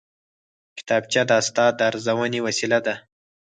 کتابچه د استاد د ارزونې وسیله ده